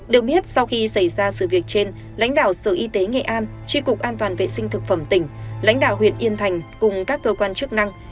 được biết sau khi xảy ra sự việc trên lãnh đạo sở y tế nghệ an tri cục an toàn vệ sinh thực phẩm tỉnh lãnh đạo huyện yên thành cùng các cơ quan chức năng